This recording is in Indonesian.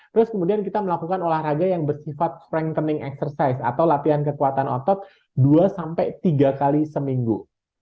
terus kemudian kita melakukan olahraga yang bersifat strengthenning exercise atau latihan kekuatan otot dua sampai tiga kali seminggu